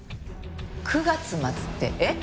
９月末ってえっ？